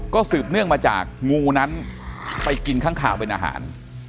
ก็สืบเนื่องมาจากงูนั้นไปกินข้างคาวเป็นอาหาร